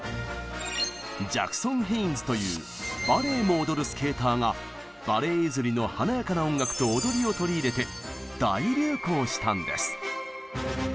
ジャクソン・ヘインズというバレエも踊るスケーターがバレエ譲りの「華やかな音楽と踊り」を取り入れて大流行したんです。